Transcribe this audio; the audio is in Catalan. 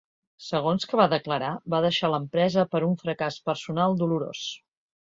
Segons que va declarar, va deixar l’empresa per ‘un fracàs personal dolorós’.